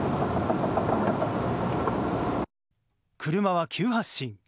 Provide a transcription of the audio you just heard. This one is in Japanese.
車は急発進。